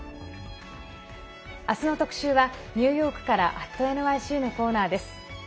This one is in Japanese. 明日の特集はニューヨークから「＠ｎｙｃ」のコーナーです。